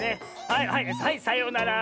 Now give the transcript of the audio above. はいはいはいさようなら。